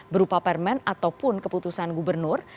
berupa permen ataupun keputusan gubernur